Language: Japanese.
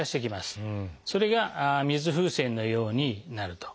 それが水風船のようになると。